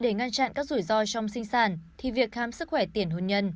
để ngăn chặn các rủi ro trong sinh sản thì việc khám sức khỏe tiền hôn nhân